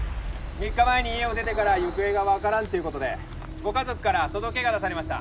３日前に家を出てから行方がわからんという事でご家族から届が出されました。